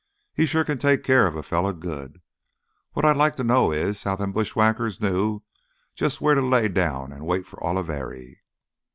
He sure can take care of a fella good. What I'd like to know is how them bushwhackers knew jus' where to lay down an' wait for Oliveri."